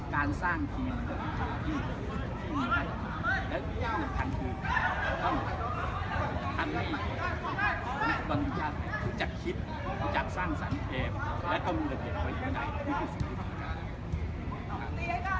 การสร้างทีมและมีความรู้ชัดที่จะคิดจะสร้างสรรค์เกมและก็มีเหลือเด็ดไว้ใน